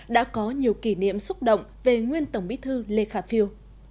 đã có nhiều kỷ niệm xúc động về nguyên tổng bí thư lê khả phiêu